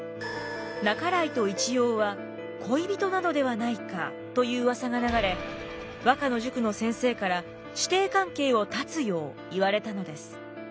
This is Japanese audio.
半井と一葉は恋人なのではないかといううわさが流れ和歌の塾の先生から師弟関係を断つよう言われたのです。